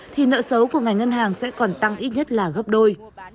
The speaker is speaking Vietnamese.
thì nợ xấu của ngành ngân hàng sẽ còn tăng ít nhất là gấp đôi